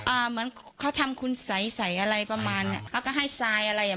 เหมือนเขาทำคุณสัยใสอะไรประมาณเนี้ยเขาก็ให้ทรายอะไรอ่ะ